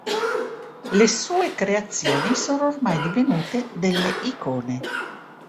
Le sue creazioni sono ormai divenute delle icone.